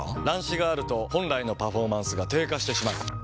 乱視があると本来のパフォーマンスが低下してしまう。